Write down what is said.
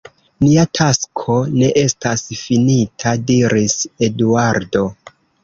Nia tasko ne estas finita, diris Eduardo.